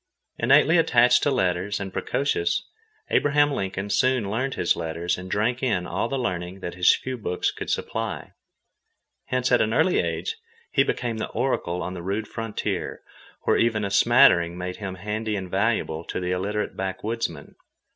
Innately attached to letters, and precocious, Abraham Lincoln soon learned his letters and drank in all the learning that his few books could supply. Hence at an early age he became the oracle on the rude frontier, where even a smattering made him handy and valuable to the illiterate backwoodsmen.